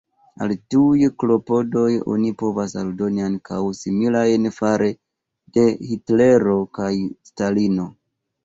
Al tiuj klopodoj oni povos aldoni ankaŭ similajn fare de Hitlero kaj Stalino.